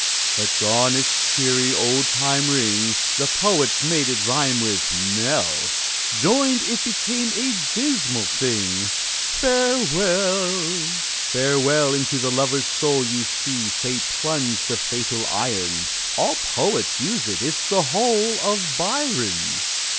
But gone its cheery, old time ring; The poets made it rhyme with knell Joined it became a dismal thing "Farewell!" "Farewell!" into the lover's soul You see Fate plunge the fatal iron. All poets use it. It's the whole Of Byron.